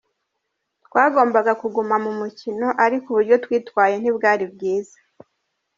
"Twagombaga kuguma mu mukino, ariko uburyo twitwaye ntibwari bwiza.